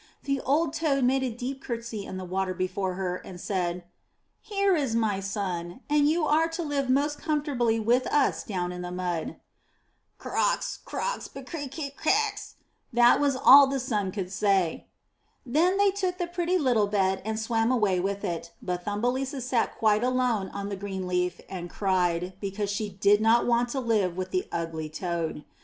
The old toad made a deep curtsy in the water before her, and said, '*Here is my son, and you are to live most comfortably with us down in the mud.'' Koax, koax, brekke ke kex,'' that was all the son could say. Then they took the pretty little bed and swam away with it, but Thumbelisa sat quite alone on the green leaf and cried because she did not want to live with 416 UP ONE PAIR OF STAIRS the Ugly toad.